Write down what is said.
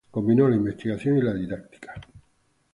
Combinó la investigación y la didáctica.